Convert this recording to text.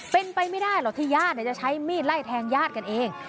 เป็นไปไม่ได้หรอกที่ญาติจะใช้มีดไล่แทงญาติกันเอง